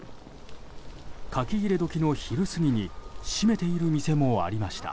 書き入れ時の昼過ぎに閉めている店もありました。